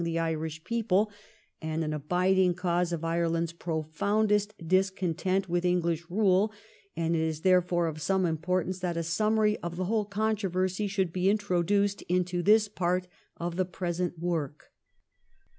205 the Irish people and an abiding cause of Ireland's profoundest discontent with English rule ; and it is therefore of some importance that a summary of the whole controversy should be introduced into this part of the present work.